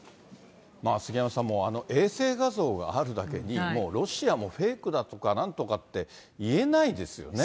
杉山さん、衛星画像があるだけに、もうロシアもフェイクだとかなんとかって、言えないですよね。